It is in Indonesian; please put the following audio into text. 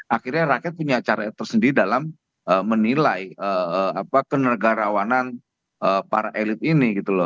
akhirnya rakyat punya cara tersendiri dalam menilai kenegarawanan para elit ini gitu loh